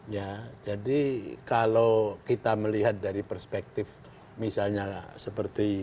ya jadi kalau kita melihat dari perspektif misalnya seperti